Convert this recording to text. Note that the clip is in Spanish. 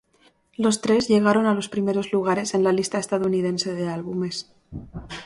Los tres llegaron a los primeros lugares en la lista estadounidense de álbumes.